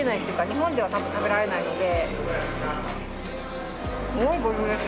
日本では多分食べられないので。